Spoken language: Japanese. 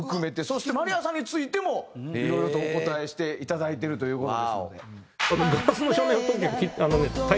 そしてまりやさんについてもいろいろとお答えしていただいてるという事ですので。